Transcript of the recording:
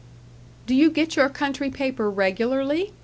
"Do you get your country paper regularly?"